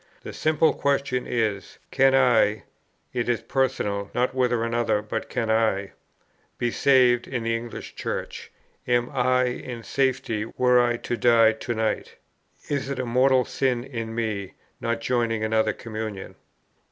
The simple question is, Can I (it is personal, not whether another, but can I) be saved in the English Church? am I in safety, were I to die to night? Is it a mortal sin in me, not joining another communion?